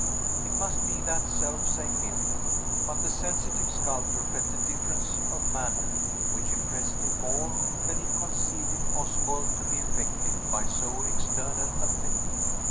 It must be that selfsame Miriam; but the sensitive sculptor felt a difference of manner, which impressed him more than he conceived it possible to be affected by so external a thing.